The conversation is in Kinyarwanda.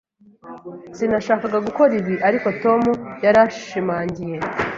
Sinashakaga gukora ibi, ariko Tom yarashimangiye.